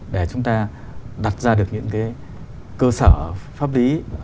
để chúng ta đặt ra được những cái cơ sở pháp lý